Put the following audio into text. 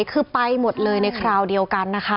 คือไปหมดเลยในคราวเดียวกันนะคะ